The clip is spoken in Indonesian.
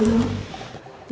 iya mama tuh